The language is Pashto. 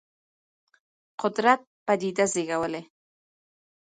قدرت پدیده زېږولې.